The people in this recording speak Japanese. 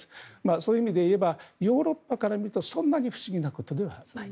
そういう意味でいえばヨーロッパから見るとそんなに不思議なことではない。